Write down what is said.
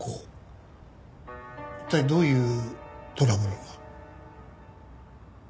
一体どういうトラブルが？